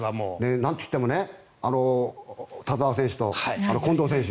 なんといっても田澤選手と近藤選手。